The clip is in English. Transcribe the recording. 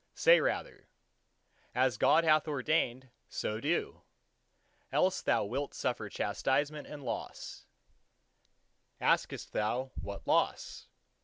Say rather, As God hath ordained, so do; else thou wilt suffer chastisement and loss. Askest thou what loss?